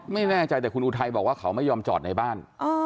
ไม่แน่ใจแต่คุณอุทัยบอกว่าเขาไม่ยอมจอดในบ้าน